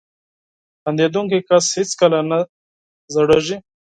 • خندېدونکی کس هیڅکله نه زړېږي.